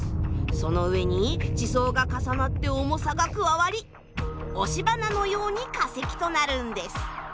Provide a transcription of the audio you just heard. その上に地層が重なって重さが加わり押し花のように化石となるんです。